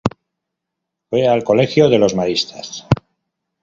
Fue al colegio de los Maristas.